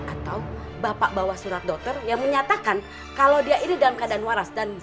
atau bapak bawa surat dokter yang menyatakan kalau dia ini dalam keadaan waras